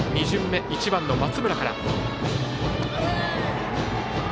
２巡目、１番の松村から。